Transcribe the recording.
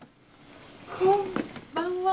こんばんは。